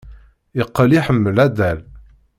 Yeqqel iḥemmel addal.